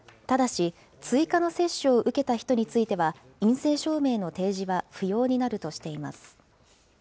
ただし、追加の接種を受けた人については、陰性証明の提示は不要になるとしています。